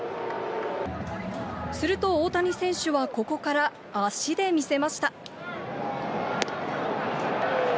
すると、大谷選手はここから足で見せました。